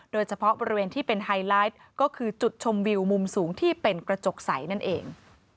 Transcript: โดยเฉพาะบริเวณที่เป็นไฮไลท์ก็คือจุดชมวิวมุมสูงที่เป็นกระจกใสนั่นเอง